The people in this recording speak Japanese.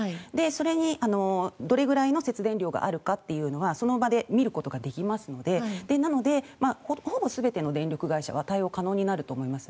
それにどれくらいの節電量があるかというのはその場で見ることができますのでなのでほぼ全ての電力会社は対応可能になると思います。